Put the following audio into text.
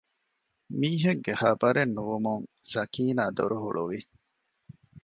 މީހެއްގެ ޚަބަރެއް ނުވުމުން ސަކީނާ ދޮރު ހުޅުވި